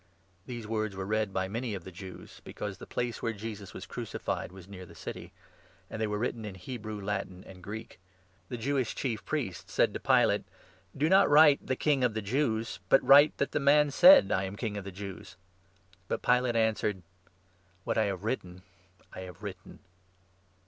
These words were read by many of the Jews, because the 20 place where Jesus was crucified was near the city ; and they were written in Hebrew, Latin, and Greek. The Jewish 21 Chief Priests said to Pilate :" Do not write ' The King of the Jews ', but write what the man said —' I am King of the Jews.' " But Pilate answered : 22 "What I have written, I have written."